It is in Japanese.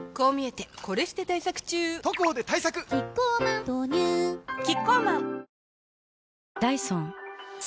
キッコーマン豆乳キッコーマン